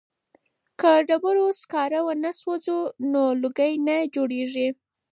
که ډبرو سکاره ونه سوځوو نو لوګی نه جوړیږي.